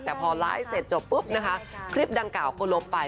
แต่พอไลฟ์เสร็จจบปุ๊บนะคะคลิปดังกล่าก็ลบไป